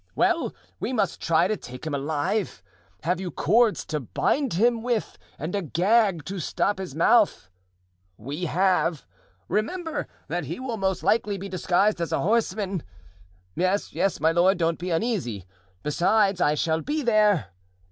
"'Well, we must try to take him alive. Have you cords to bind him with and a gag to stop his mouth?' "'We have.' "'Remember that he will most likely be disguised as a horseman.' "'Yes, yes, my lord; don't be uneasy.' "'Besides, I shall be there.